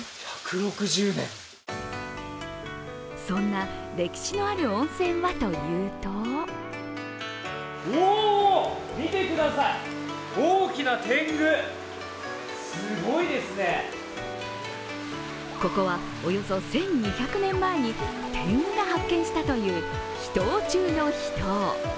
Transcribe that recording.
そんな歴史のある温泉はというとここはおよそ１２００年前に天狗が発見したという秘湯中の秘湯。